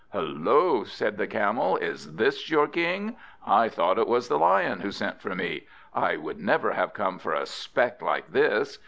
"Hullo," said the Camel, "is this your King? I thought it was the Lion who sent for me. I would never have come for a speck like this."